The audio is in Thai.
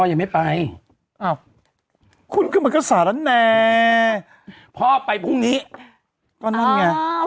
ยังไม่ไปอ้าวคุณก็มันก็สาหรับแน่พ่อไปพรุ่งนี้ก็นั่งไงอ่า